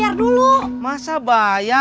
jadi ini masahmanya